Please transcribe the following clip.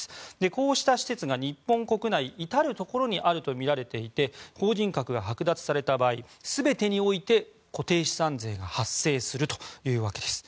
こうした施設が日本国内至るところにあるとみられていて法人格が剥奪された場合全てにおいて固定資産税が発生するというわけです。